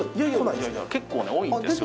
結構ね多いんですよ。